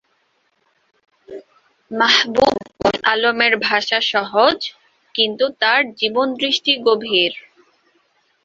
মাহবুব-উল আলমের ভাষা সহজ, কিন্তু তাঁর জীবনদৃষ্টি গভীর।